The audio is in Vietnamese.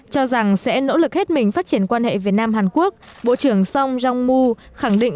cho rằng sẽ nỗ lực hết mình phát triển quan hệ việt nam hàn quốc bộ trưởng song yong mu khẳng định